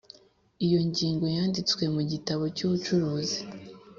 Iyo ngingo yanditswe mu gitabo cy’ubucuruzi